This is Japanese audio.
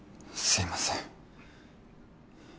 すいません